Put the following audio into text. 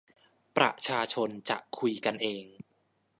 ประชาชนจะคุยกันเอง